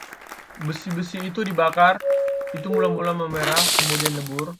besi yang dibakar itu mula-mula memerah kemudian lebur